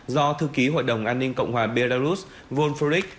do thư ký hội đồng an ninh cộng hòa belarus vôn phú rích